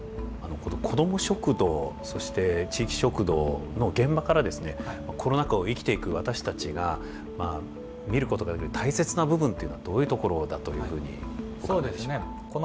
こども食堂そして地域食堂の現場からですねコロナ禍を生きていく私たちが見ることができる大切な部分はどういうところだというふうにお考えでしょうか？